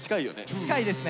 近いですね。